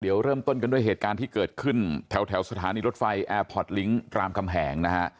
เดี๋ยวเริ่มต้นกันด้วยเหตุการณ์ที่เกิดขึ้นแถวสถานีรถไฟแอร์พอร์ตลิงค์รามคำแหงนะฮะ